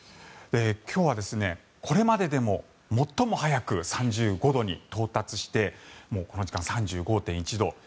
今日は、これまででも最も早く３５度に到達してこの時間、３５．１度。